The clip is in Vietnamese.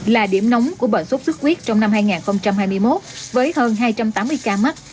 là điểm nóng của bệnh xuất xuất huyết trong năm hai nghìn hai mươi một với hơn hai trăm tám mươi ca mắc